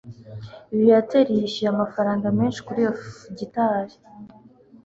viateur yishyuye amafaranga menshi kuri iyo gitari